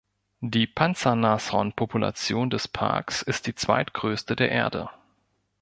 Die Panzernashorn-Population des Parks ist die zweitgrößte der Erde.